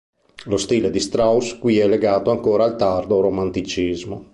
Lo stile di Strauss qui è legato ancora al tardo romanticismo.